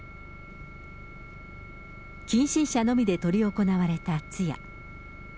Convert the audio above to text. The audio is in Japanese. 近親者のみで執り行われた通夜。